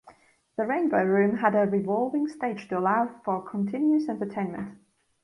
The Rainbo Room had a revolving stage to allow for continuous entertainment.